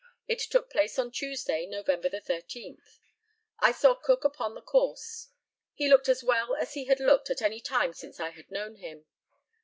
It took place on Tuesday, November the 13th. I saw Cook upon the course. He looked as well as he had looked at any time since I had known him.